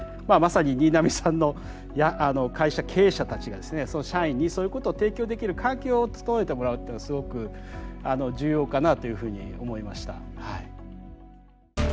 まあまさに新浪さんや会社経営者たちがですね社員にそういうことを提供できる環境を努めてもらうっていうのはすごく重要かなというふうに思いました。